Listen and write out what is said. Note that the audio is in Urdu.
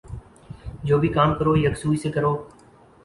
جو بھی کام کرو یکسوئی سے کرو